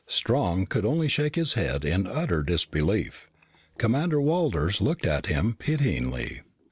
Strong could only shake his head in utter disbelief. Commander Walters looked at him pityingly.